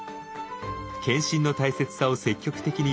検診の大切さを積極的に呼びかけ